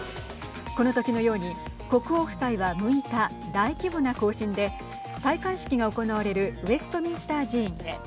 この時のように国王夫妻は６日大規模な行進で戴冠式が行われるウェストミンスター寺院へ。